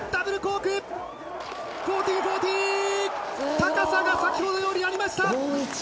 高さが先ほどよりありました。